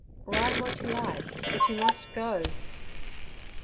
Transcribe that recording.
'Ride what you like, but you must go.'